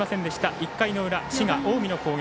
１回裏、滋賀の近江の攻撃。